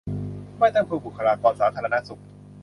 ไม่ต้องพึ่งบุคลากรสาธารณสุข